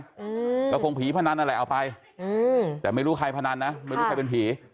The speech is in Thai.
อืมก็คงผีพนันนั่นแหละเอาไปอืมแต่ไม่รู้ใครพนันนะไม่รู้ใครเป็นผี